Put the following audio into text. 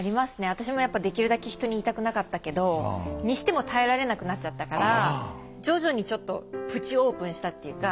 私もやっぱできるだけ人に言いたくなかったけどにしても耐えられなくなっちゃったから徐々にちょっとプチオープンしたっていうか。